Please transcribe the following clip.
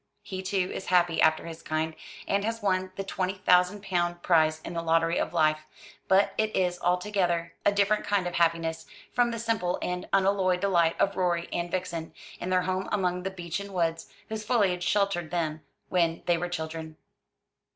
He, too, is happy after his kind, and has won the twenty thousand pound prize in the lottery of life; but it is altogether a different kind of happiness from the simple and unalloyed delight of Rorie and Vixen, in their home among the beechen woods whose foliage sheltered them when they were children.